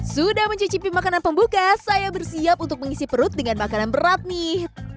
sudah mencicipi makanan pembuka saya bersiap untuk mengisi perut dengan makanan berat nih